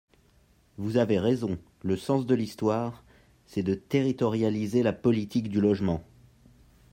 Vous avez raison, le sens de l’histoire, c’est de territorialiser la politique du logement.